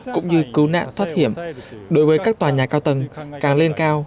cũng như cứu nạn thoát hiểm đối với các tòa nhà cao tầng càng lên cao